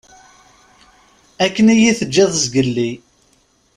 Akken iyi-teǧǧiḍ zgelli.